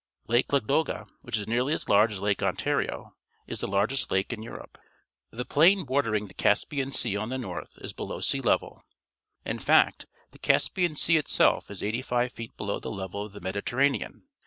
Lake Ladoga, wliich is nearly as large as Lake Ontario, is the largest lake in Europe. The plain bordering the Caspian Sea on the north is below sea level. In fact, the Caspian Sea itself is eighty five feet below the level of the Mediterranean.